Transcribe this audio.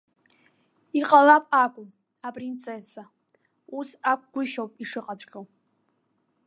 Иҟалап акәым, апринцесса, ус акәгәышьоуп ишыҟаҵәҟьоу.